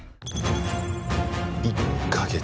１か月。